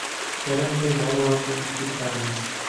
Yalindi, yolvordi… Yigitlarimiz